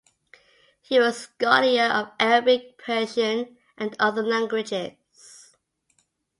He was Scholar of Arabic Persian and other languages.